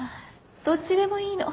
どっちでもいいの。